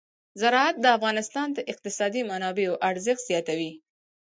زراعت د افغانستان د اقتصادي منابعو ارزښت زیاتوي.